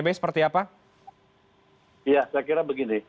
beberapa ekggak di dalam